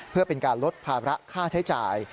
เพื่อเป็นการลดภาระค่าใช้จ่าย